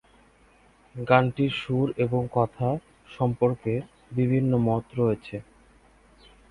গানটির সুর এবং কথা সম্পর্কে বিভিন্ন মত রয়েছে।